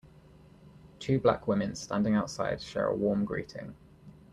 Two black women standing outside share a warm greeting.